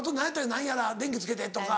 「何やら電気つけて」とか。